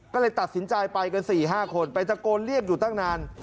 ก็เลยตัดสินใจไปกัน๔๕คนไปตะโกนเรียกอยู่ตั้งนาน